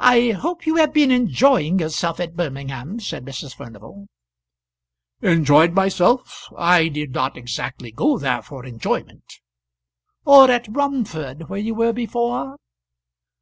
"I hope you have been enjoying yourself at Birmingham," said Mrs. Furnival. "Enjoyed myself! I did not exactly go there for enjoyment." "Or at Romford, where you were before?"